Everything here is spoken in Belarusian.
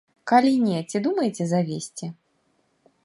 Калі не, ці думаеце завесці?